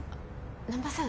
難波さん